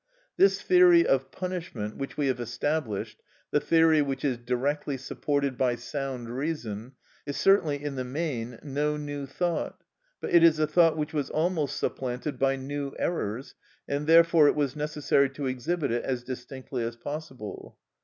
This theory of punishment which we have established, the theory which is directly supported by sound reason, is certainly in the main no new thought; but it is a thought which was almost supplanted by new errors, and therefore it was necessary to exhibit it as distinctly as possible.